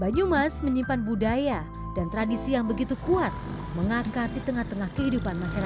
banyumas menyimpan budaya dan tradisi yang begitu kuat mengakar di tengah tengah kehidupan masyarakat